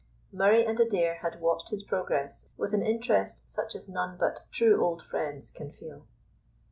Murray and Adair had watched his progress with an interest such as none but true old friends can feel.